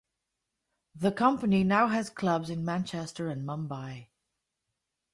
The company now has clubs in Manchester and Mumbai.